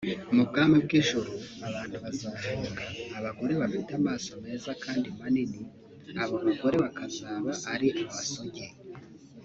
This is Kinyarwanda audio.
Mu bwami bw’ijuru abantu bazahembwa abagore bafite amaso meza kandi manini abo bagor e bakabaza ari amasugi